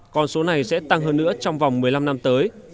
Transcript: còn số này sẽ tăng hơn nữa trong vòng một mươi năm năm tới